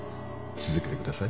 続けてください。